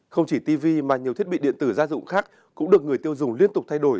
không chỉ tv mà nhiều thiết bị điện tử gia dụng khác cũng được người tiêu dùng liên tục thay đổi